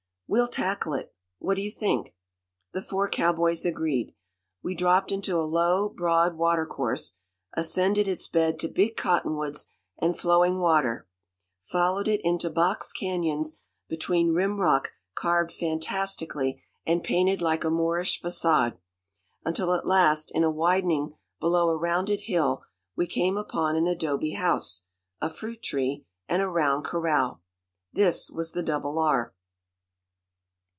We'll tackle it. What do you think?" The four cowboys agreed. We dropped into a low, broad watercourse, ascended its bed to big cottonwoods and flowing water, followed it into box cañons between rim rock carved fantastically and painted like a Moorish façade, until at last in a widening below a rounded hill, we came upon an adobe house, a fruit tree, and a round corral. This was the Double R.